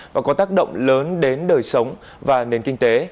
và có tác động lớn đến đời sống và nền kinh tế